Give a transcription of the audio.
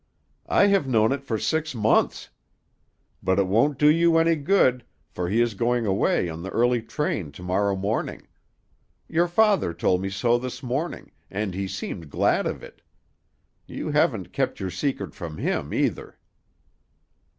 "I have known it for six months. But it won't do you any good, for he is going away on the early train to morrow morning. Your father told me so this morning, and he seemed glad of it. You haven't kept your secret from him, either."